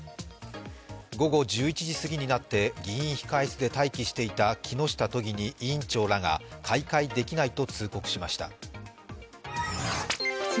午後１１時過ぎになって議員控室で待機していた木下都議に委員長らが開会できないと通告しました。